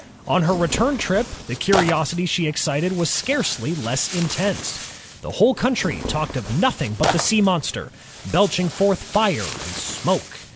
'*0n her return trip, the curiosity she excited was scarcely less intense, — the whole country talked of noth ing but the sea monster, belching forth fire and smoke.